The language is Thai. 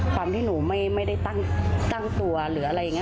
ความที่หนูไม่ได้ตั้งตัวหรืออะไรอย่างนี้